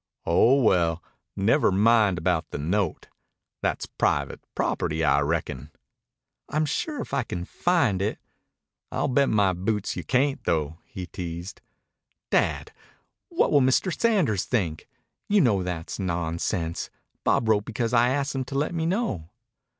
"Oh, well, never mind about the note. That's private property, I reckon." "I'm sure if I can find it " "I'll bet my boots you cayn't, though," he teased. "Dad! What will Mr. Sanders think? You know that's nonsense. Bob wrote because I asked him to let me know."